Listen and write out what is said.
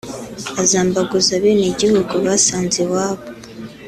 azambaguza abenegihugu basanze iwabo